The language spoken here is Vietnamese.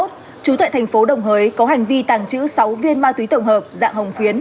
trú tuệ tp đồng hới có hành vi tàng trữ sáu viên ma túy tổng hợp dạng hồng phiến